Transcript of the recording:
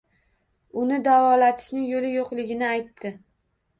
Uni davolatishni yoʻli yoʻqligini aytdi.